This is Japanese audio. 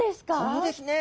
そうですね。